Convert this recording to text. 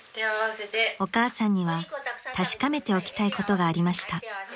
［お母さんには確かめておきたいことがありました］